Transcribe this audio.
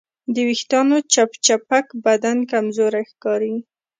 د وېښتیانو چپچپک بدن کمزوری ښکاري.